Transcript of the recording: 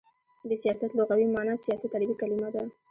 د سیاست لغوی معنا : سیاست عربی کلمه ده.